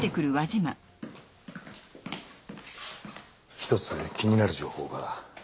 １つ気になる情報が。